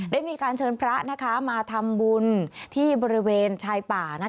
ได้มีการเชิญพระมาทำบุญที่บริเวณชายป่า